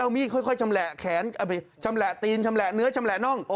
มีดค่อยชำแหละแขนเอาไปชำแหละตีนชำแหละเนื้อชำแหละน่อง